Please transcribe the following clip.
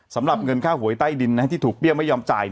สำหรับเงินค่าหวยใต้ดินที่ถูกเบี้ยไม่ยอมจ่าย